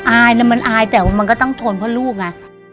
อายนะมันอายแต่ว่ามันก็ต้องทนเพราะลูกไง